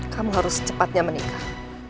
kamu harus secepatnya menikah